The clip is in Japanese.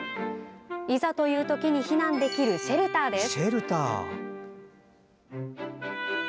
いざという時に避難できるシェルターです。